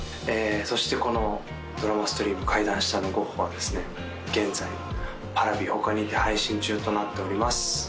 そしてこのドラマストリーム「階段下のゴッホ」はですね現在Ｐａｒａｖｉ他にて配信中となっております